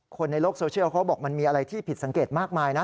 คนในโลกโซเชียลเขาบอกมันมีอะไรที่ผิดสังเกตมากมายนะ